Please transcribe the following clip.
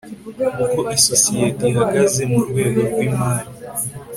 uko isosiyete ihagaze mu rwego rw imari